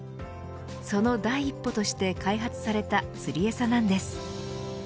その第一歩として開発された釣りえさなんです。